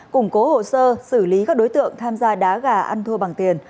củng cố hồ sơ xử lý các đối tượng tham gia đá gà ăn thua bằng tiền